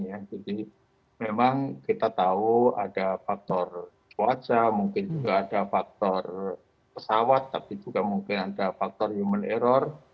jadi memang kita tahu ada faktor cuaca mungkin juga ada faktor pesawat tapi juga mungkin ada faktor human error